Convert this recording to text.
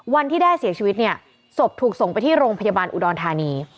แด้เสียชีวิตเนี่ยศพถูกส่งไปที่โรงพยาบาลอุดรธานี